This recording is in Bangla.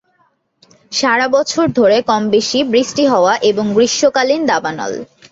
সারাবছর ধরে কম বেশি বৃষ্টি হওয়া এবং গ্রীষ্মকালীন দাবানল।